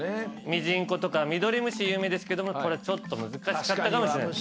ミジンコとかミドリムシ有名ですけどもこれちょっと難しかったかもしれない。